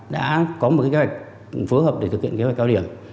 đã có một kế hoạch phối hợp để thực hiện kế hoạch cao điểm